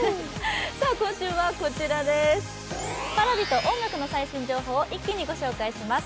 Ｐａｒａｖｉと音楽の最新情報を一気にご紹介します。